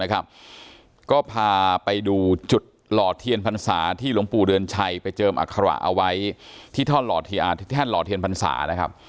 ก็พาไปดูจุดหล่อเทียนพรรษาที่หลวงปู่เดือนชัยไปเจิมอัคระเอาไว้ที่แท่นหล่อเทียนพรรษานะครับ